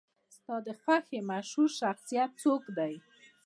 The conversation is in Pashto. ستا د خوښې مشهور شخصیت څوک دی؟